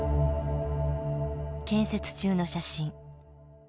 建設中の写真。